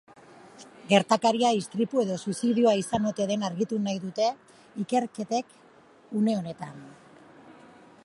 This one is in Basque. Gertakaria istripua edo suizidioa izan ote den argitu nahi dute ikerketek une honetan.